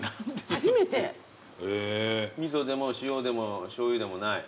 味噌でも塩でもしょうゆでもない？